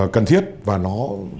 cần thiết và nó